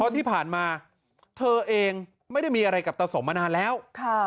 ที่ผ่านมาเธอเองไม่ได้มีอะไรกับตาสมมานานแล้ว